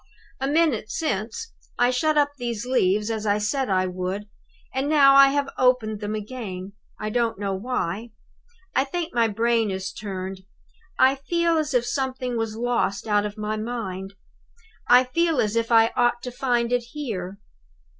"A minute since, I shut up these leaves as I said I would; and now I have opened them again, I don't know why. I think my brain is turned. I feel as if something was lost out of my mind; I feel as if I ought to find it here.